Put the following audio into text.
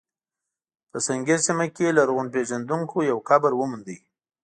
په سنګیر سیمه کې لرغونپېژندونکو یو قبر وموند.